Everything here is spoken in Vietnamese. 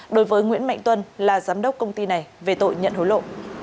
đối với nguyễn mạnh tuân là giám đốc công ty này về tội nhận hối lộ